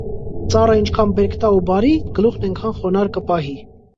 Ծառը ինչքան բերք տայ ու բարի, գլուխն էնքան խոնարհ կը պահի: